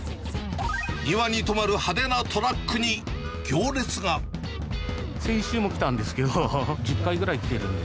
庭に止まる派手なトラックに先週も来たんですけど、１０回ぐらい来てるんで。